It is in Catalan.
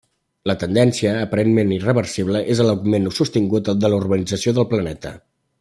La tendència, aparentment irreversible, és a l'augment sostingut de la urbanització del planeta.